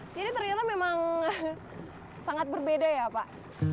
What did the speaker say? jadi ternyata memang sangat berbeda ya pak